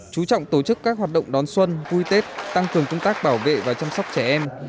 chú trọng tổ chức các hoạt động đón xuân vui tết tăng cường công tác bảo vệ và chăm sóc trẻ em